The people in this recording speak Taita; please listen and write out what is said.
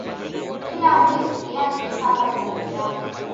Kila mbisi yasekagha sa mdamu.